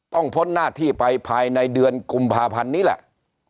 พ้นหน้าที่ไปภายในเดือนกุมภาพันธ์นี้แหละ